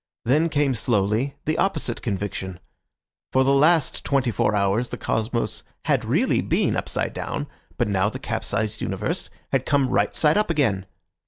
Then came slowly the opposite conviction. For the last twenty four hours the cosmos had really been upside down, but now the capsized universe had come right side up again.